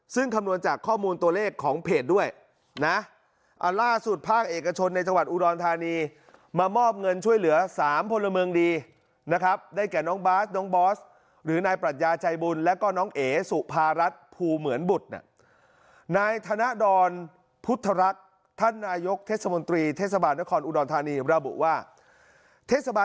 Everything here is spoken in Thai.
ซึ่งคำนวณจากข้อมูลตัวเลขของเพจด้วยนะล่าสุดภาคเอกชนในจังหวัดอุดรธานีมามอบเงินช่วยเหลือ๓พลเมืองดีนะครับได้แก่น้องบาสน้องบอสหรือนายปรัชญาใจบุญแล้วก็น้องเอ๋สุภารัฐภูเหมือนบุตรเนี่ยนายธนดรพุทธรักษ์ท่านนายกเทศมนตรีเทศบาลนครอุดรธานีระบุว่าเทศบาล